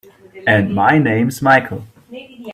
And my name's Michael.